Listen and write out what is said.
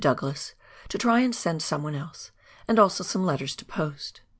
Douglas to try and send some one else, and also some letters to post.